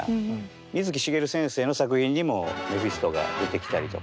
水木しげる先生の作品にもメフィストが出てきたりとか。